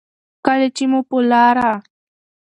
کله چې مو په لاره